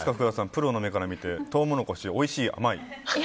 プロの目から見てトウモロコシ甘い。